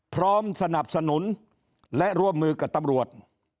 พร้อมสนับสนุนและร่วมมือกับตำรวจ